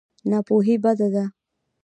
ناپوهي بده ده.